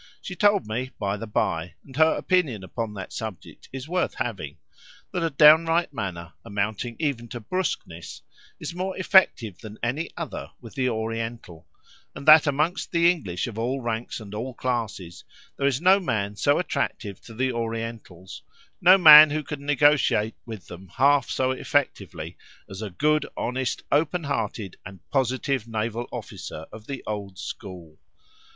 She told me, by the bye (and her opinion upon that subject is worth having), that a downright manner, amounting even to brusqueness, is more effective than any other with the Oriental; and that amongst the English of all ranks and all classes there is no man so attractive to the Orientals, no man who can negotiate with them half so effectively, as a good, honest, open hearted, and positive naval officer of the old school.